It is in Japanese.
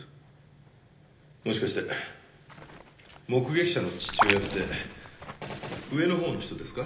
もしかして目撃者の父親って上のほうの人ですか？